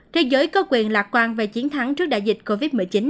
thế giới có quyền lạc quan về chiến thắng trước đại dịch covid một mươi chín